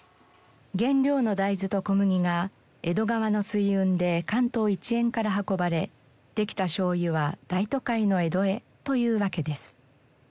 原料の大豆と小麦が江戸川の水運で関東一円から運ばれできた醤油は大都会の江戸へというわけです。